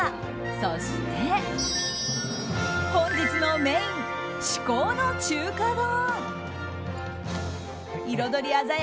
そして、本日のメイン至高の中華丼。